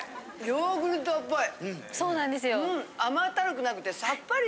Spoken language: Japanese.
ヨーグルトっぽい。